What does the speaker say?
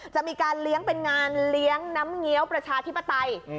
จะมีการเลี้ยงเป็นงานเลี้ยงน้ำเงี้ยวประชาธิปไตย